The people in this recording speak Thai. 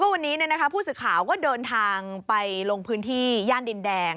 วันนี้ผู้สื่อข่าวก็เดินทางไปลงพื้นที่ย่านดินแดง